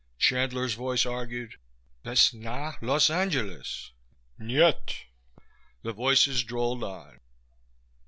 _" Chandler's voice argued, "Wes na Los Angeles." "Nyet." The voices droned on.